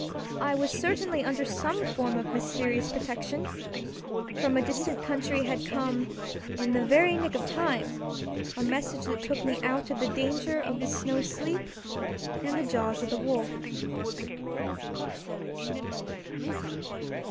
I was certainly under some form of mysterious protection. From a distant country had come, in the very nick of time, a message that took me out of the danger of the snow sleep and the jaws of the wolf.